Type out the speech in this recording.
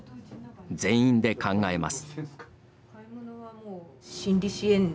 全員で考えます。